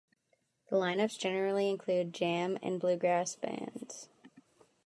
The lineups generally include jam and bluegrass bands.